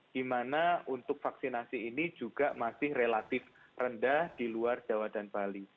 di mana untuk vaksinasi ini juga masih relatif rendah di luar jawa dan bali